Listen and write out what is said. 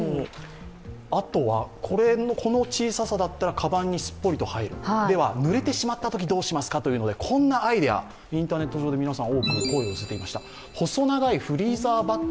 あとはこの小ささだったら、かばんにすっぽりと入る、では、濡れてしまったときどうしますかということでこんなアイデア、インターネット上で皆さん、声が多く寄せられていました。